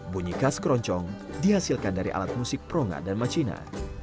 bunyi khas keroncong dihasilkan dari alat musik pronga dan macina